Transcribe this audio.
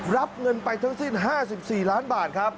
รับเงินไปทั้งสิ้น๕๔ล้านบาทครับ